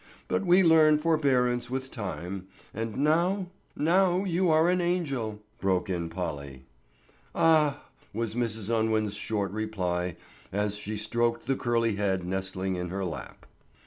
But we learn forbearance with time, and now——" "Now you are an angel," broke in Polly. "Ah!" was Mrs. Unwin's short reply, as she stroked the curly head nestling in her lap.